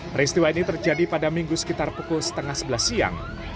peristiwa ini terjadi pada minggu sekitar pukul setengah sebelas siang